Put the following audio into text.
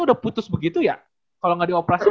udah putus begitu ya kalau gak di operasi